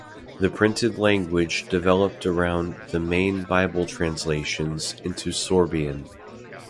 The printed language developed around the main Bible translations into Sorbian.